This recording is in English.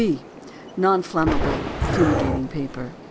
B. NON INFLAMMABLE FUMIGATING PAPER.